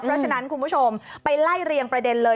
เพราะฉะนั้นคุณผู้ชมไปไล่เรียงประเด็นเลย